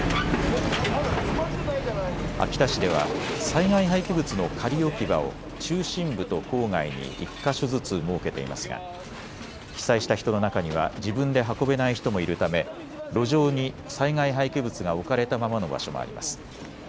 秋田市では災害廃棄物の仮置き場を中心部と郊外に１か所ずつ設けていますが被災した人の中には自分で運べない人もいるため路上に災害廃棄物が置かれたままの場所もあります。